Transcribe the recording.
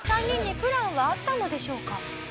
３人にプランはあったのでしょうか？